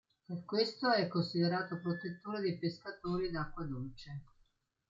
Per questo è considerato protettore dei pescatori d'acqua dolce.